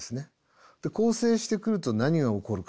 で構成してくると何が起こるか。